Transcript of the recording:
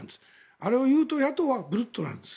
あれを言うと野党はブルッとなんです。